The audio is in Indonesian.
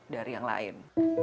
dari yang lain